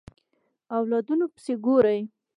اولادونو پسې ګوري